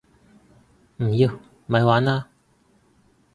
唔要！咪玩啦